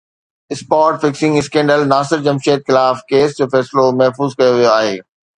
spot fixing scandal Nasir Jamshed خلاف case جو فيصلو محفوظ ڪيو ويو آهي